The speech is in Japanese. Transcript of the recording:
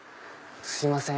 すいません。